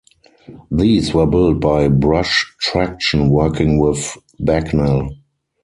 These were built by Brush Traction working with Bagnall.